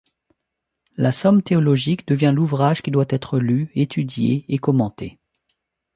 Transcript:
La somme théologique devient l'ouvrage qui doit être lu, étudié et commenté.